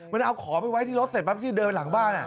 มันเอาของไปไว้ที่รถเสร็จปั๊บที่เดินหลังบ้าน